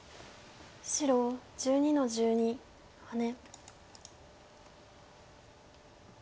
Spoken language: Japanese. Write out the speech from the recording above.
白１２の十二ハネ。